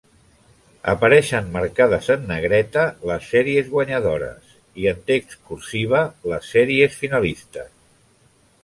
Apareixen marcades en negreta les sèries guanyadores i en text cursiva les sèries que finalistes.